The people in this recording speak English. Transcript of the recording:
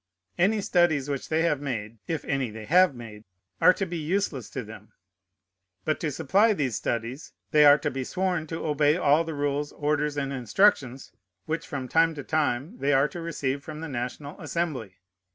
Any studies which they have made (if any they have made) are to be useless to them. But to supply these studies, they are to be sworn to obey all the rules, orders, and instructions which from time to time they are to receive from the National Assembly.